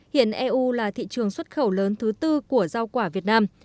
hiện eu là thị trường xuất khẩu lớn thứ tư của rau quả việt nam